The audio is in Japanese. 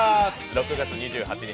６月２８日